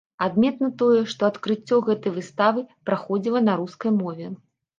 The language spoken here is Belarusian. Адметна тое, што адкрыццё гэтай выставы праходзіла на рускай мове.